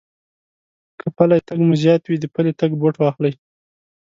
که پٔلی تگ مو زيات وي، د پلي تگ بوټ واخلئ.